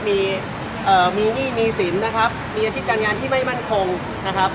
มีมีหนี้มีสินนะครับมีอาชีพการงานที่ไม่มั่นคงนะครับ